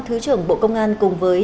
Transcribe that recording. thứ trưởng bộ công an cùng với